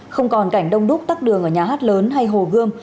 không còn cảnh đông đúc tắt đường ở nhà hát lớn hay hồ gươm